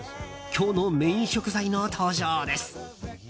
今日のメイン食材の登場です。